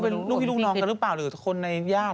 มีภอมุงพี่ลูกน้องกันรึเปล่าหรือคนในญาติ